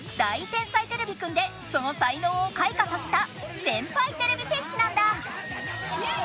天才てれびくん」でその才能を開花させた先輩てれび戦士なんだ！